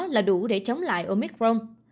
là đủ để chống lại omicron